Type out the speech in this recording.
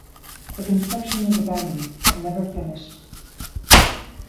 The construction was abandoned and never finished.